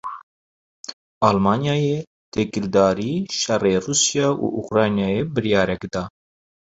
Almanyayê têkildarî şerê Rûsya û Ukraynayê biryarek da.